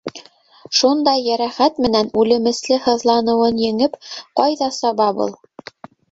Шундай йәрәхәт менән, үлемесле һыҙланыуын еңеп, ҡайҙа саба был?